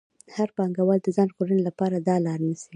هر پانګوال د ځان ژغورنې لپاره دا لار نیسي